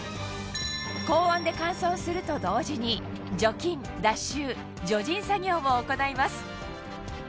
高温で乾燥すると同時に除菌脱臭除塵作業も行います